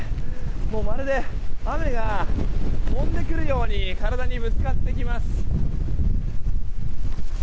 まるで、雨が飛んでくるように体にぶつかってきます。